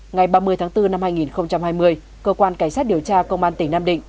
ngày ba mươi tháng bốn năm hai nghìn hai mươi cơ quan cảnh sát điều tra công an tỉnh nam định